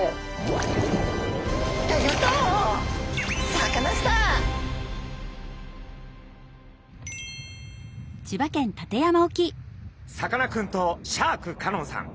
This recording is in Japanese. さかなクンとシャーク香音さん